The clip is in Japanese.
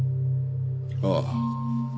ああ。